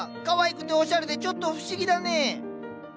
かわいくておしゃれでちょっと不思議だねぇ！